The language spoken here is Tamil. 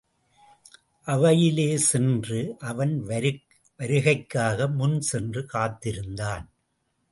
அவையிலே சென்று அவன் வருகைக்காக முன் சென்று காத்திருந்தான்.